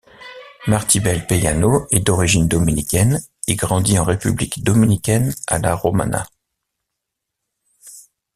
Martibel Payano est d'origine dominicaine et grandit en République Dominicaine à La Romana.